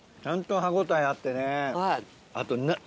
ちゃんと歯応えあってね。